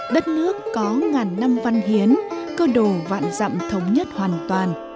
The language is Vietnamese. đất nước có ngàn năm văn hiến cơ đồ vạn dặm thống nhất hoàn toàn